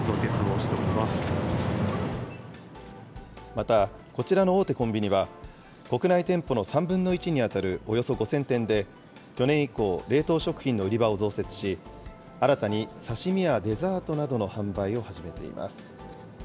また、こちらの大手コンビニは、国内店舗の３分の１に当たるおよそ５０００店で、去年以降、冷凍食品の売り場を増設し、新たに刺身やデザートなどの販売を始